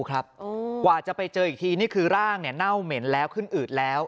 กว่าจะไปเจออีกทีนี่คือร่างเน่าเหม็นแล้วขึ้นอืดแล้ว